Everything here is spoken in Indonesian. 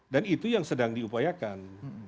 itu yang sedang diupayakan